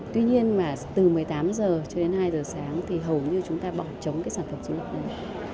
tuy nhiên mà từ một mươi tám h cho đến hai h sáng thì hầu như chúng ta bỏ chống cái sản phẩm du lịch này